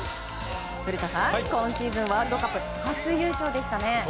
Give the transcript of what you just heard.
古田さん、今シーズンワールドカップで初優勝でしたね。